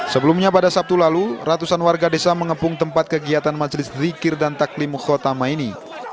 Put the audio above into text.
sebelumnya pada sabtu lalu ratusan warga desa mengepung tempat kegiatan majelis zikir dan taklim khotama ini